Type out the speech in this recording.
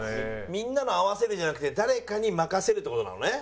みんなのを合わせるじゃなくて誰かに任せるって事なのね。